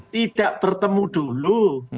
tidak bertemu dulu